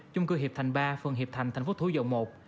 chung cư hiệp thành ba phường hiệp thành thành phố thủ dầu một